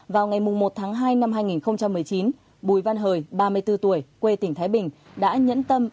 vào ngày một tháng hai năm hai nghìn một mươi chín bùi văn hời ba mươi bốn tuổi quê tỉnh thái bình